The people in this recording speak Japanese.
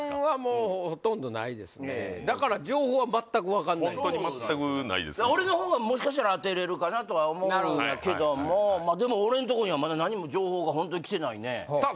もうほとんどないですねだから情報は全く分かんないホントに全くない俺の方がもしかしたら当てれるかなとは思うんやけどもでも俺んとこにはまだ何も情報がホントに来てないねさあ